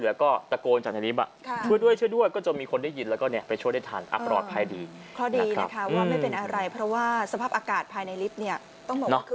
เรียก็ตะโกนจากไว้ลิฟต์